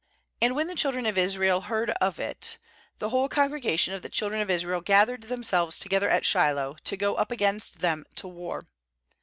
^And when the children of Israel heard of it, the whole congrega tion of the children of Israel gathered themselves together at Shiloh, to go up against them to war.